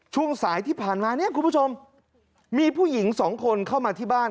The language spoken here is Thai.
ช่วงสายที่ผ่านมาเนี่ยคุณผู้ชมมีผู้หญิงสองคนเข้ามาที่บ้าน